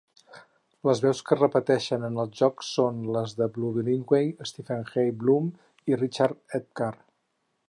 Les veus que es repeteixen en els jocs són les de Beau Billingslea, Steven Jay Blum i Richard Epcar.